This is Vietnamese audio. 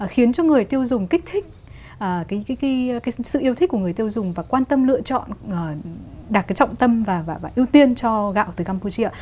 khiến cho người tiêu dùng kích thích sự yêu thích của người tiêu dùng và quan tâm lựa chọn đạt trọng tâm và ưu tiên cho gạo từ campuchia